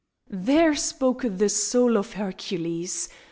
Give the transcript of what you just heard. There spoke the soul of Hercules.